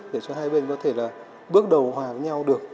để cho hai bên có thể là bước đầu hòa với nhau được